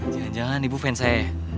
jangan jangan ibu fans saya ya